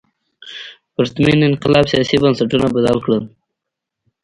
پرتمین انقلاب سیاسي بنسټونه بدل کړل.